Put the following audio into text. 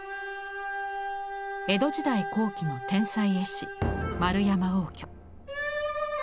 江戸時代後期の天才絵師円山応挙。